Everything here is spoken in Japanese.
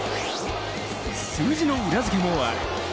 数字の裏付けもある。